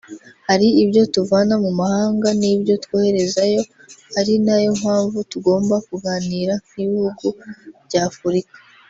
Hari ibyo tuvana mu mahanga n’ibyo twoherezayo ari yo mpamvu tugomba kuganira nk’ibihugu bya Afurika